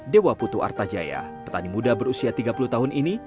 dewa putu artajaya petani muda berusia tiga puluh tahun ini